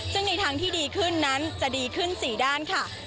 ซึ่งในทางที่ดีขึ้นนั้นจะดีขึ้น๔ด้านค่ะ